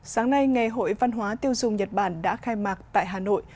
sáng nay ngày hội văn hóa tiêu dùng nhật bản đã khai mạc tại hà nội